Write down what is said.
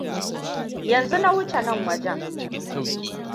Yanzu na huce nan wajen.